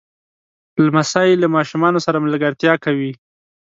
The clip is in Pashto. لمسی له ماشومانو سره ملګرتیا کوي.